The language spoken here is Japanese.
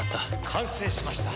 完成しました。